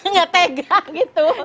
nggak tega gitu